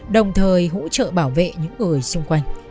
đồng thời hỗ trợ bảo vệ những người xung quanh